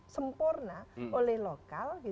sempurna oleh lokal